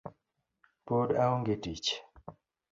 Pod aonge tich